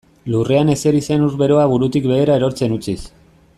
Lurrean ezeri zen ur beroa burutik behera erortzen utziz.